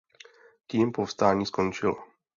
Tím povstání skončilo.